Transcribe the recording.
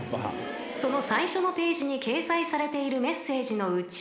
［その最初のページに掲載されているメッセージのうち］